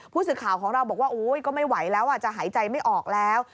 ผู้สื่อข่าวของเราบอกว่าก็ไม่ไหวแล้วจะหายใจไม่ออกแล้ว